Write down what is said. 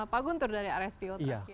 pak guntur dari rspo terakhir